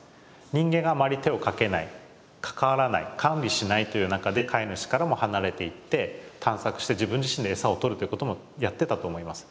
人間があまり手をかけない関わらない管理しないという中で飼い主からも離れていって探索して自分自身でエサを取るということもやってたと思います。